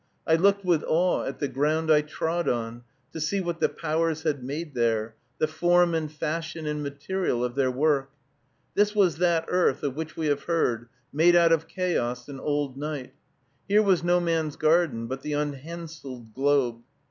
I looked with awe at the ground I trod on, to see what the Powers had made there, the form and fashion and material of their work. This was that Earth of which we have heard, made out of Chaos and Old Night. Here was no man's garden, but the unhandseled globe.